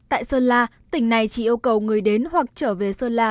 tại sơn la tỉnh này chỉ yêu cầu người đến hoặc trở về sơn la